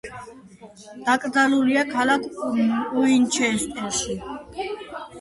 დაკრძალულია ქალაქ უინჩესტერში.